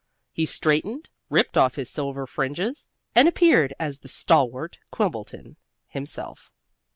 He straightened, ripped off his silver fringes, and appeared as the stalwart Quimbleton himself.